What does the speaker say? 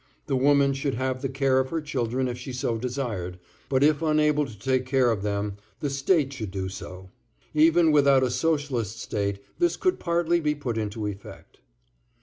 The woman should have the care of her children if she so desired, but if unable to take care of them, the State should do so. Even without a socialist state this could partly be put into effect.